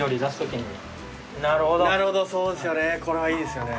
なるほどそうですよね。